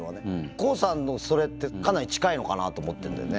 康さんのそれって、かなり近いのかなと思ってるんだよね。